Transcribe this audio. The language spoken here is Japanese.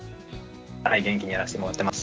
はい元気にやらせてもらってます。